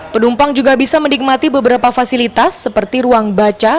penumpang juga bisa menikmati beberapa fasilitas seperti ruang baca